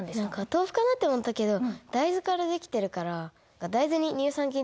豆腐かなって思ったけど大豆から出来てるから大豆に。